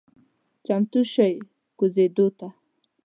چمتو شئ کوزیدو ته…